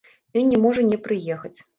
Ён не можа не прыехаць.